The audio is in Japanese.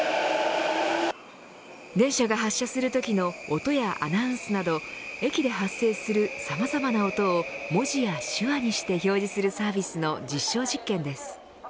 電車が発車するときの音やアナウンスなど駅で発生する、さまざまな音を文字や手話にして表示するサービスの実証実験です。